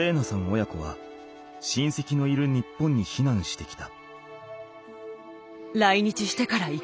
親子はしんせきのいる日本に避難してきた。